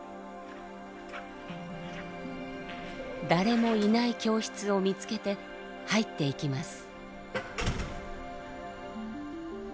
誰もいない教室を見つけて入っていきます。